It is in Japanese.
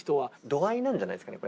度合いなんじゃないですかね？